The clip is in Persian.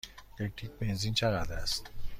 یک لیتر بنزین چقدر است؟